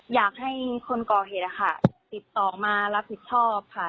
อยากให้คนก่อเหตุนะคะติดต่อมารับผิดชอบค่ะ